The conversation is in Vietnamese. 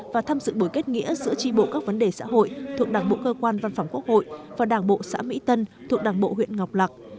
và tham dự buổi kết nghĩa giữa tri bộ các vấn đề xã hội thuộc đảng bộ cơ quan văn phòng quốc hội và đảng bộ xã mỹ tân thuộc đảng bộ huyện ngọc lạc